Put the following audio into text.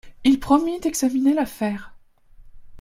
Il promit d'examiner l'affaire.